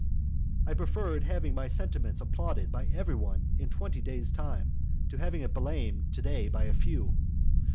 I preferred having my sentiments applauded by every one in twenty days' time, to having it blamed to day by a few.